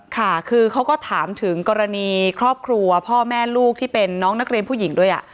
ค่ะคือเขาก็ถามถึงกรณีครอบครัวพ่อแม่ลูกที่เป็นน้องนักเรียนผู้หญิงด้วย